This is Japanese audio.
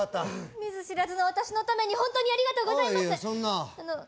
見ず知らずの私のためにホントにありがとうございますいえ